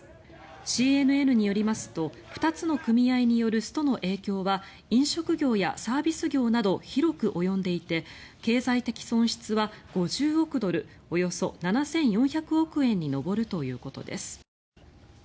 ＣＮＮによりますと２つの組合によるストの影響は飲食業やサービス業など広く及んでいて経済的損失は５０億ドルおよそ７４００億円に上るということです。